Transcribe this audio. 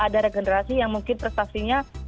ada regenerasi yang mungkin prestasinya